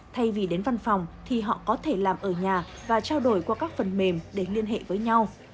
thay vì đến văn phòng thì họ có thể làm ở nhà và trao đổi qua các phần mềm để liên hệ với nhau